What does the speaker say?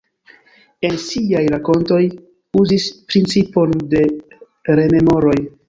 En siaj rakontoj uzis principon de rememoroj.